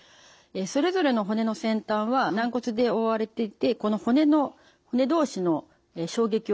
それぞれの骨の先端は軟骨で覆われていてこの骨同士の衝撃を吸収しています。